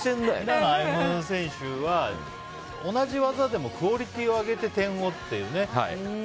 平野歩夢選手は同じ技でもクオリティーを上げて点をっていうね。